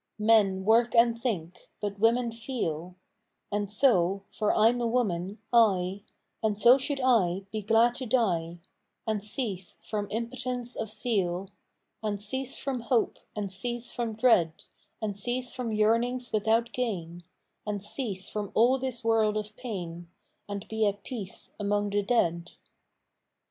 Men work and think, but women feel; And so (for I'm a woman, I) And so I should be glad to die And cease from impotence of zeal, And cease from hope, and cease from dread, And cease from yearnings without gain, And cease from all this world of pain, And be at peace among the dead.